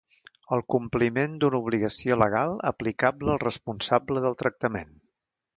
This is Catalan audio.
El compliment d'una obligació legal aplicable al responsable del tractament.